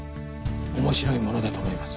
「面白いもの」だと思います。